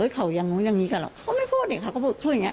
เขายังงงอย่างนี้กันหรอกเขาไม่พูดเขาก็พูดอย่างนี้